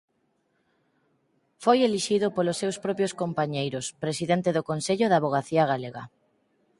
Foi elixido polos seus propios compañeiros Presidente do Consello da Avogacía Galega.